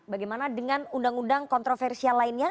bagaimana dengan undang undang kontroversial lainnya